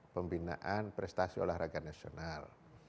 pembinaan prestasi olahraga nasional